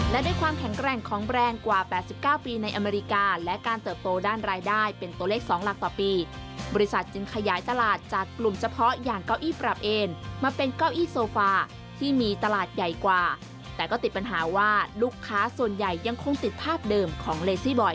และด้วยความแข็งแกร่งของแบรนด์กว่า๘๙ปีในอเมริกาและการเติบโตด้านรายได้เป็นตัวเลข๒หลักต่อปีบริษัทจึงขยายตลาดจากกลุ่มเฉพาะอย่างเก้าอี้ปรับเอนมาเป็นเก้าอี้โซฟาที่มีตลาดใหญ่กว่าแต่ก็ติดปัญหาว่าลูกค้าส่วนใหญ่ยังคงติดภาพเดิมของเลซี่บ่อย